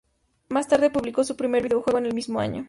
Más tarde, publicó su primer videojuego, en el mismo año.